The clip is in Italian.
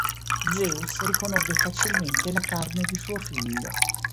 Zeus riconobbe facilmente la carne di suo figlio.